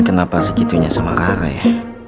kenapa segitunya sama rara ya